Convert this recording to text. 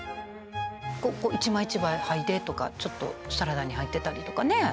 一枚一枚はいでとかちょっとサラダに入ってたりとかね。